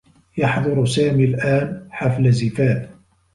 يحضر سامي الآن حفل زفاف.